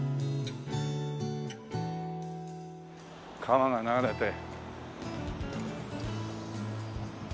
川が流れて。